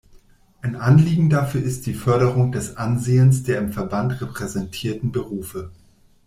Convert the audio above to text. Ein Anliegen dafür ist die Förderung des Ansehens der im Verband repräsentierten Berufe.